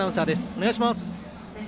お願いします。